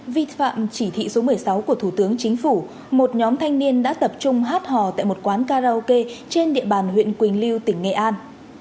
vi phạm chỉ thị số một mươi sáu của thủ tướng chính phủ một nhóm thanh niên đã tập trung hát hò tại một quán karaoke trên địa bàn huyện quỳnh lưu tỉnh nghệ an